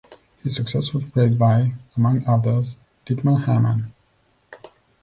His success was praised by, among others, Dietmar Hamann.